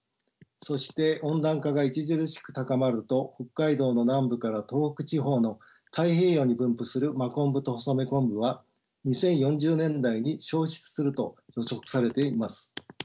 そして温暖化が著しく高まると北海道の南部から東北地方の太平洋に分布するマコンブとホソメコンブは２０４０年代に消失すると予測されています。